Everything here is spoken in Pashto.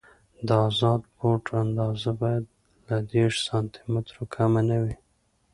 د ازاد بورډ اندازه باید له دېرش سانتي مترو کمه نه وي